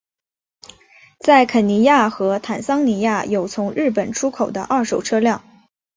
在肯尼亚和坦桑尼亚有从日本出口的二手车辆。